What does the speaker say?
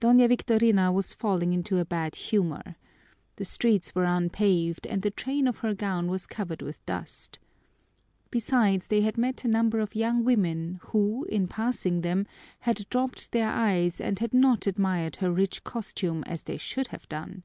Doña Victorina was falling into a bad humor. The streets were unpaved and the train of her gown was covered with dust. Besides, they had met a number of young women, who, in passing them, had dropped their eyes and had not admired her rich costume as they should have done.